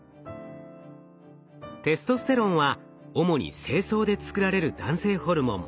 テストステロンは主に精巣で作られる男性ホルモン。